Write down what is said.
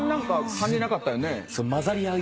感じなかったよね？